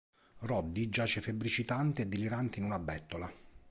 Roddy giace febbricitante e delirante in una bettola.